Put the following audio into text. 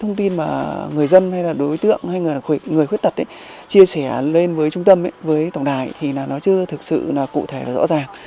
nhân viên hay là đối tượng hay là người khuyết tật chia sẻ lên với trung tâm với tổng đài thì nó chưa thực sự cụ thể và rõ ràng